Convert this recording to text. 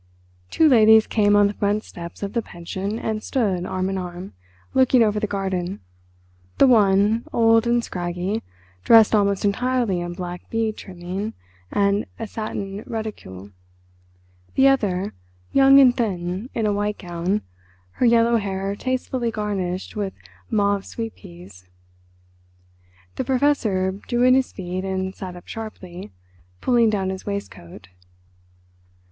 Two ladies came on the front steps of the pension and stood, arm in arm, looking over the garden. The one, old and scraggy, dressed almost entirely in black bead trimming and a satin reticule; the other, young and thin, in a white gown, her yellow hair tastefully garnished with mauve sweet peas. The Professor drew in his feet and sat up sharply, pulling down his waistcoat.